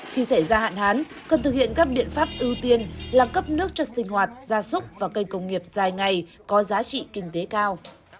khi xảy ra hạn hán cần thực hiện các biện pháp ưu tiên là cấp nước cho sinh hoạt gia súc và cây công nghiệp dài ngày có giá trị kinh tế cao